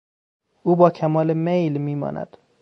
او با کمال میل میماند.